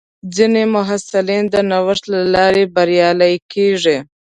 ځینې محصلین د نوښت له لارې بریالي کېږي.